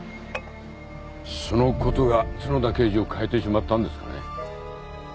そのことが角田刑事を変えてしまったんですかね。